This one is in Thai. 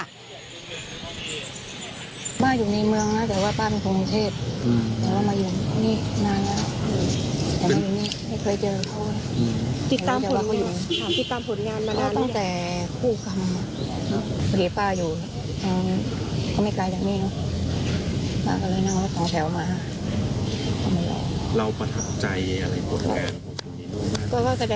อันนี้เพราะผมอยู่กลอนออกมา